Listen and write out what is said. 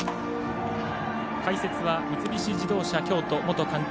解説は三菱自動車京都元監督